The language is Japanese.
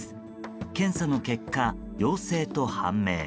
検査の結果、陽性と判明。